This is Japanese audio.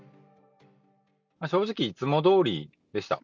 正直いつもどおりでした。